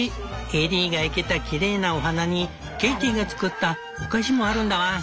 エリーが生けたきれいなお花にケイティが作ったお菓子もあるんだワン！